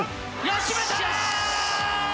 決めたー！